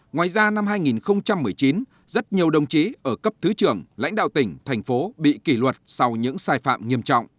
ngoài ra năm hai nghìn một mươi chín rất nhiều đồng chí ở cấp thứ trưởng lãnh đạo tỉnh thành phố bị kỷ luật sau những sai phạm nghiêm trọng